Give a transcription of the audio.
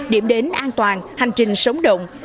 điểm đến an toàn hành trình sống động